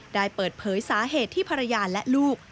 ได้เปิดเผยสาเหตุที่ภรรยาและลูก